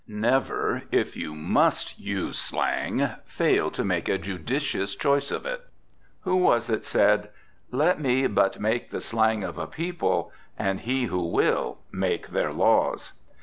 Never, if you must use slang, fail to make a judicious choice of it. Who was it said, "Let me but make the slang of a people, and he who will make their laws?"